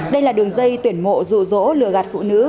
đây là đường dây tuyển mộ rụ rỗ lừa gạt phụ nữ